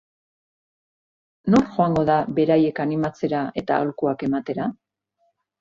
Nor joango da beraiek animatzera eta aholkuak ematera?